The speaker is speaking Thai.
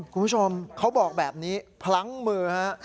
คุณผู้ชมเขาบอกแบบนี้พลั้งมือฮะ